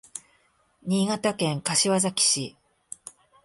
新潟県柏崎市